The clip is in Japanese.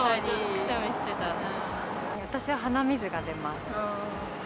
私は鼻水が出ます。